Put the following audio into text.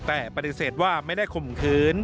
แต่ปฏิเสธว่าไม่ได้ข่มขืน